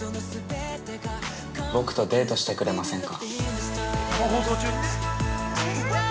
僕とデートしてくれませんか。